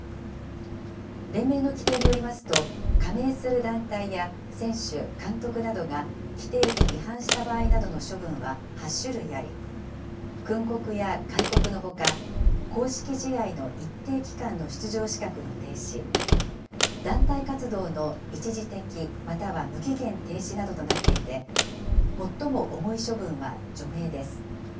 連盟の規定によりますと、加盟する団体や選手、監督などが規定に違反した場合などの処分は８種類あり、訓告や戒告のほか、公式試合の一定期間の出場資格の停止、団体活動の一時的または無期限停止となっていて、最も重い処分は除名です。